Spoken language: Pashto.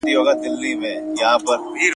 غمونه هېر سي اتڼونو ته ډولونو راځي